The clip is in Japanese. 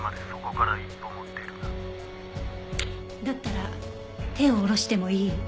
だったら手を下ろしてもいい？